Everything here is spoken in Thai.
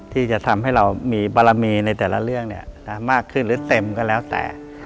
ที่จะทำให้เรามีบารมีในแต่ละเรื่องมากขึ้นหรือเต็มก็แล้วแต่